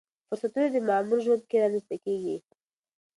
فرصتونه د معمول ژوند کې رامنځته کېږي.